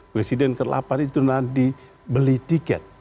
presiden ke delapan itu nanti beli tiket